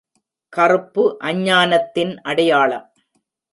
கறுப்பு, அஞ்ஞானத்தின் அடையாளம்.